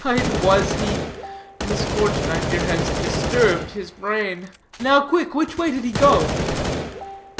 "It was he. Misfortune, I fear, has disturbed his brain. Now quick, which way did he go?"